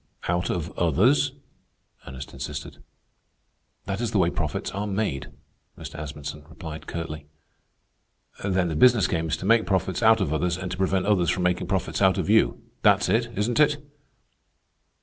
"Out of others?" Ernest insisted. "That is the way profits are made," Mr. Asmunsen replied curtly. "Then the business game is to make profits out of others, and to prevent others from making profits out of you. That's it, isn't it?"